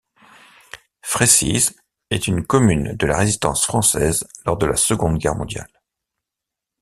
Fressies est une commune de la résistance française lors de la Seconde guerre mondiale.